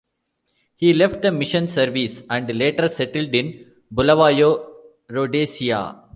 He left the mission service and later settled in Bulawayo, Rhodesia.